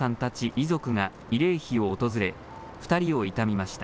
遺族が慰霊碑を訪れ、２人を悼みました。